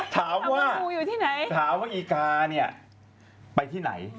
ถามว่างูอยู่ที่ไหนถามว่าอีกาเนี่ยไปที่ไหน